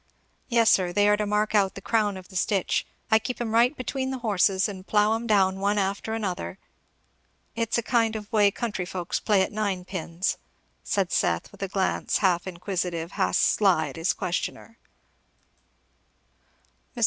"Yes sir they are to mark out the crown of the stitch. I keep 'em right between the horses and plough 'em down one after another. It's a kind of way country folks play at ninepins," said Seth, with a glance half inquisitive, half sly, at his questioner. Mr.